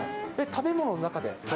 食べ物の中で。